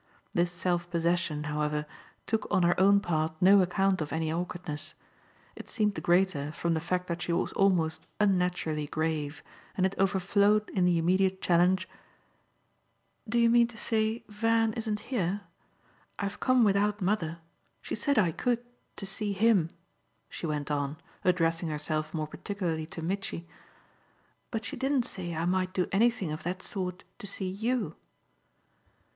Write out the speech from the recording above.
This self possession, however, took on her own part no account of any awkwardness: it seemed the greater from the fact that she was almost unnaturally grave, and it overflowed in the immediate challenge: "Do you mean to say Van isn't here? I've come without mother she said I could, to see HIM," she went on, addressing herself more particularly to Mitchy. "But she didn't say I might do anything of that sort to see YOU."